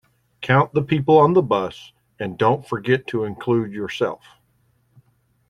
Count the people on the bus, and don't forget to include yourself.